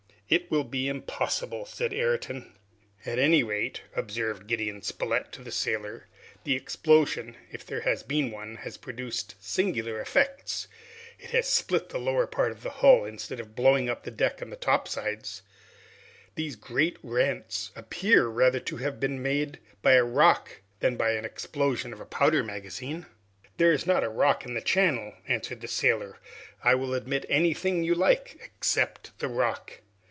"It will be impossible," said Ayrton. "At any rate," observed Gideon Spilett to the sailor, "the explosion, if there has been one, has produced singular effects! It has split the lower part of the hull, instead of blowing up the deck and topsides! These great rents appear rather to have been made by a rock than by the explosion of a powder magazine." "There is not a rock in the channel!" answered the sailor. "I will admit anything you like, except the rock."